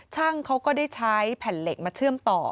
ช่างเขาก็ได้ใช้แผ่นเหล็กมาเชื่อมต่อ